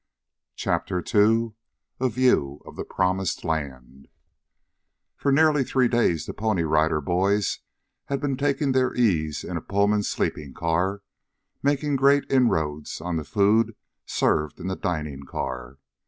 CHAPTER II A VIEW OF THE PROMISED LAND For nearly three days the Pony Rider Boys had been taking their ease in a Pullman sleeping car, making great inroads on the food served in the dining car.